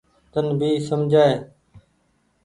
تن ڀي سمجهائي۔